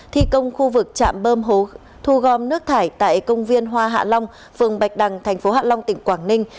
thi công khu vực trạm bơm thu gom nước thải tại công viên hoa hạ long phường bạch đằng thành phố hạ long tỉnh quảng ninh